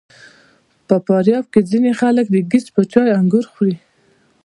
په فاریاب کې ځینې خلک د ګیځ په چای انګور خوري.